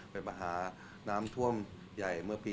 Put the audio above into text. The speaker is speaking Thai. ประหาร้้ำช่วงทั่วใหญ่เมื่อปี๕๐